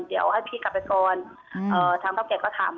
เดี๋ยวให้พี่กลับไปก่อนเอ่อทางพ่อแก่ก็ถาม